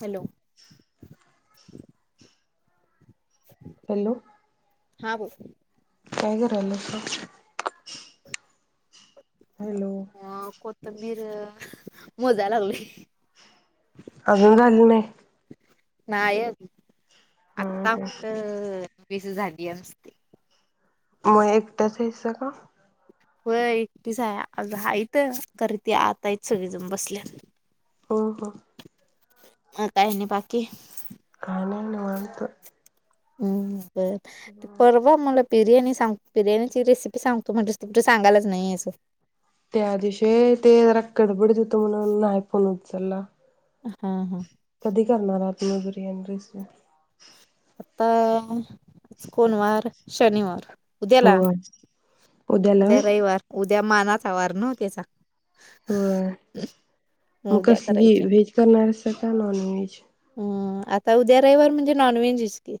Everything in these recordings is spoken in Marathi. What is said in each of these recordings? हॅलो! हॅलो! हा बोल. काय करायलास [inaudible] हा कोथंबीर अ मोजा लागली अजून झालं नाई? नाये अजून. हा आत्ता ह कुटं वेसी झाली. एमस् [inaudible] म एकटाच हेसा का? होय, एकटीच हाय आहे त ते करते आता यच सगळेजण बसल्यात. ह ह म काय आणि बाकी. काय नाही, निवांत. हम् बर ते परवा मला बिर्याणी सांग. बिर्याणीची रेसिपी सांगतो म्हटलीस कुठं सांगायलाच नाहीस त्या दिवशी व्हय ते जरा कडबडीत हो हुतो म्हणून नाही फोन उ चला हा, हा कधी करणार आहात म बिर्याणी रेसिपी आता आज कोणवार शनिवार हो उद्याला उद्याला उद्या व्हय रविवार उद्या मानाचा वार नव्हं त्याचा होय, म उद्या कसली करायचे व्हेज करणार हाइसा का नॉन व्हेज अ आता उद्या रहिवर म्हणजे नॉन व्हेज च की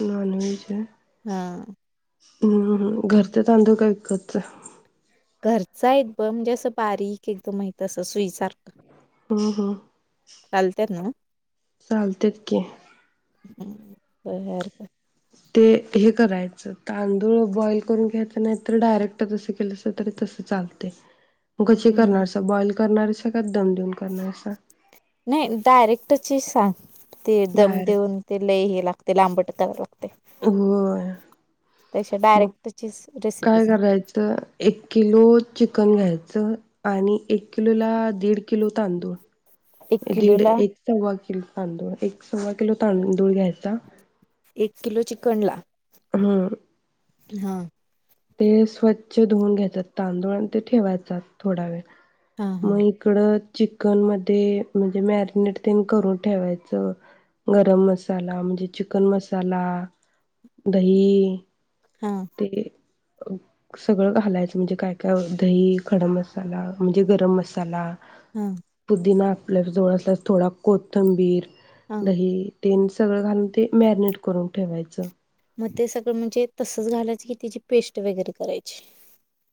नॉनव्हेज होय हा हम्म घरच तांदूळ की विकतचं घरच हाइत बघ म्हणजे असं बारीक एकदम हाइत असं सुईसारखं हम, हम चालत्यात ना? चालत्यात की ह बर, बर ते हे करायचं, तांदूळ बॉईल करून घ्यायचं नाही तर डायरेक्ट तसं केलसा तरी तसं चालतय मग कशी करणार हम्म हाइसा बॉईल करणारस हाइसा, का दम देऊन करणार हाइसा नाही डयरेक्टची सांग ते दम डायरेक्ट देऊन, ते लई हे लागतय ते लांबट तरा होय, त्यापेक्षा मग डायरेक्टचीच रेसिपी काय सांग. करायचं एक किलो चिकन घ्यायचं च आणि एक किलोला दीड किलो एक तांदूळ दीड किलोला एक सव्वा किलो तांदूळ एक सव्वा किलो तांदूळ घ्यायचा एक किलो चिकन ला हम्म हा ते स्वच्छ धुवून घ्यायचत तांदूळ आणि ते ठेवायचा थोडा वेळ हां हां मग इकडं चिकन मध्ये, म्हणजे मॅरिनेट ते करून ठेवायच. गरम मसाला म्हणजे चिकन मसाला, दही हां ते सगळं घालायचं म्हणजे काय काय व दही खडा मसाला म्हणजे गरम मसाला हां पुदना आपल्या जवळ असल्यास थोडा कोथंबीर हां दही तेन सगळं घालून ते मॅरिनेट करून ठेवायचं. ग ते सगळ म्हणजे तसच घालायच की त्याची पेस्ट वगैरे करायची.